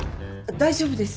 大丈夫です。